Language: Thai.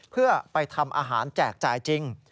เพื่อไปทำอาหารแจกจ่ายจริง